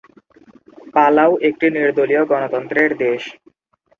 Palau একটি নির্দলীয় গণতন্ত্রের দেশ।